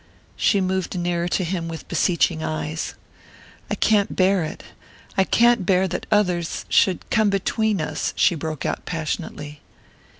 She moved nearer to him with beseeching eyes. "I can't bear it.... I can't bear that others should come between us," she broke out passionately.